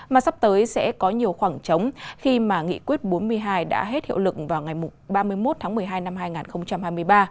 mà sắp tới sẽ có nhiều khoảng trống khi mà nghị quyết bốn mươi hai đã hết hiệu lực vào ngày ba mươi một tháng một mươi hai năm hai nghìn hai mươi ba